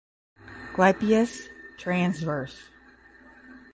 Clypeus transverse.